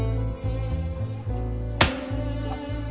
あっ！